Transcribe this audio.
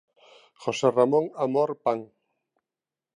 José Ramón Amor Pan.